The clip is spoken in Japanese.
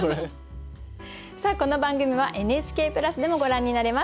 さあこの番組はＮＨＫプラスでもご覧になれます。